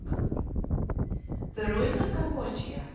XXIX. THE RUINS OF CAMBODIA.